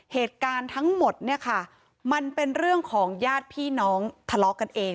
เหตุการณ์ทั้งหมดเนี่ยค่ะมันเป็นเรื่องของญาติพี่น้องทะเลาะกันเอง